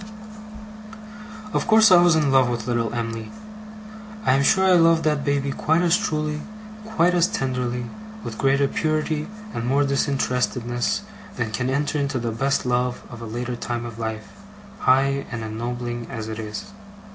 Of course I was in love with little Em'ly. I am sure I loved that baby quite as truly, quite as tenderly, with greater purity and more disinterestedness, than can enter into the best love of a later time of life, high and ennobling as it is.